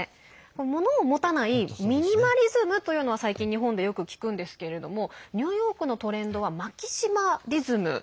物を持たないミニマリズムというのは最近、日本でよく聞くんですけれどもニューヨークのトレンドはマキシマリズム。